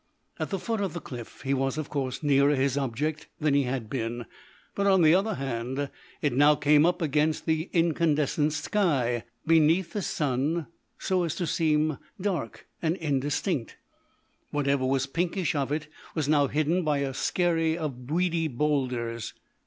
At the foot of the cliff he was, of course, nearer his object than he had been; but, on the other hand, it now came up against the incandescent sky, beneath the sun, so as to seem dark and indistinct. Whatever was pinkish of it was now hidden by a skerry of weedy boulders.